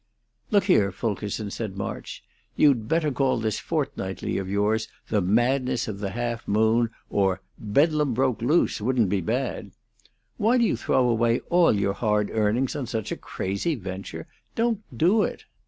"Look here, Fulkerson," said March, "you'd better call this fortnightly of yours 'The Madness of the Half Moon'; or 'Bedlam Broke Loose' wouldn't be bad! Why do you throw away all your hard earnings on such a crazy venture? Don't do it!"